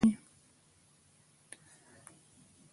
څه سکون چا سره نه وي